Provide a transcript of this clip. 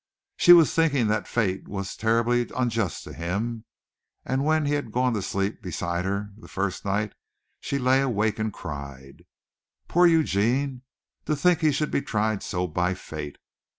She was thinking that fate was terribly unjust to him, and when he had gone to sleep beside her the first night she lay awake and cried. Poor Eugene! To think he should be tried so by fate.